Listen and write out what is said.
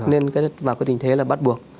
nên vào cái tình thế là bắt buộc